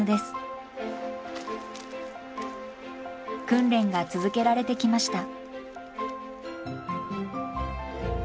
訓練が続けられてきました。